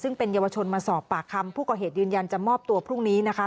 ซึ่งเป็นเยาวชนมาสอบปากคำผู้ก่อเหตุยืนยันจะมอบตัวพรุ่งนี้นะคะ